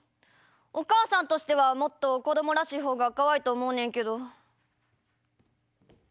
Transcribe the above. お母さんとしてはもっと子どもらしい方がかわいいと思うねんけど。